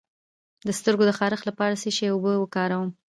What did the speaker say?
د سترګو د خارښ لپاره د څه شي اوبه وکاروم؟